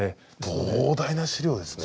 膨大な史料ですね。